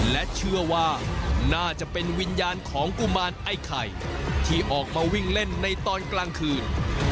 และเชื่อว่าน่าจะเป็นวิญญาณของกุมารไอ้ไข่ที่ออกมาวิ่งเล่นในตอนกลางคืน